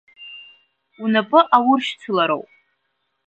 Унапы ауршьцылароуп.